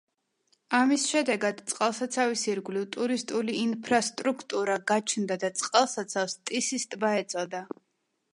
ამის შედეგად წყალსაცავის ირგვლივ ტურისტული ინფრასტრუქტურა გაჩნდა და წყალსაცავს ტისის ტბა ეწოდა.